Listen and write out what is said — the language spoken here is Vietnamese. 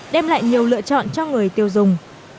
đem lại nhiều lựa chọn cho người tiêu dùng